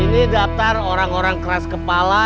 ini daftar orang orang keras kepala